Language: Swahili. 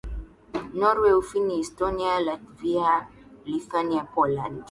Norway Ufini Estonia Latvia Lithuania Poland